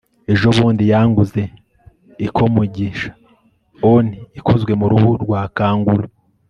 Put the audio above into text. ejobundi yanguze ikomugishaoni ikozwe mu ruhu rwa kanguru